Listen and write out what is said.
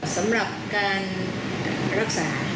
สำหรับการรักษา